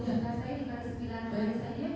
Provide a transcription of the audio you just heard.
secara instagram saja